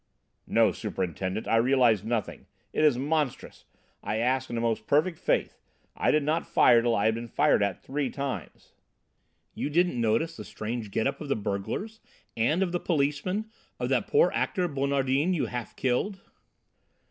"No, Superintendent, I realised nothing. It is monstrous! I asked in the most perfect good faith. I did not fire till I had been fired at three times." "You didn't notice the strange get up of the burglars? And of the policemen? Of that poor actor, Bonardin, you half killed?"